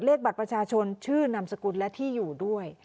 เลขบัตรประชาชนชื่อนามสกุลและที่อยู่ด้วย